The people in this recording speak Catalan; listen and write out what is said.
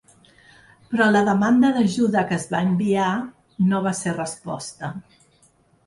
Però la demanda d’ajuda que es va enviar no va ser resposta.